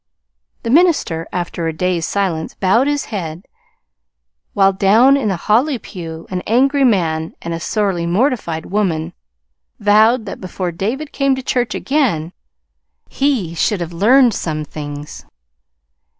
The minister, after a dazed silence, bowed his head; while down in the Holly pew an angry man and a sorely mortified woman vowed that, before David came to church again, he should have learned some things.